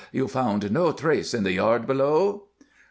You found no trace in the yard below?"